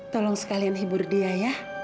tolong sekalian hibur dia ya